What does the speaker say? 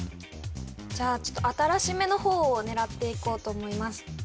じゃあちょっと新しめの方を狙っていこうと思います